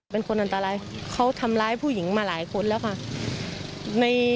เป็นคนอันตรายเขาทำร้ายผู้หญิงมาหลายคนแล้วค่ะ